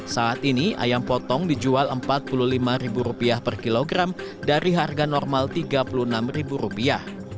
saat ini ayam potong dijual rp empat puluh lima per kilogram dari harga normal tiga puluh enam rupiah